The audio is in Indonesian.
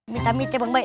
mita mita bang baik